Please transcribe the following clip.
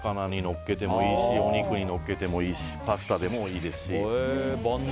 白身魚にのせてもいいしお肉にのせてもいいしパスタでもいいですし。